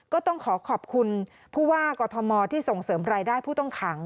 ก็ต้องขอขอบคุณผู้ว่ากอทมที่ส่งเสริมรายได้ผู้ต้องขัง